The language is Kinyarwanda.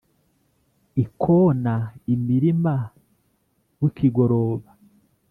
Ikona imirima bukigoroba,